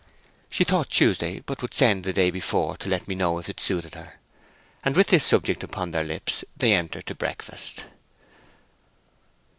"She thought Tuesday, but would send the day before to let me know if it suited her." And with this subject upon their lips they entered to breakfast.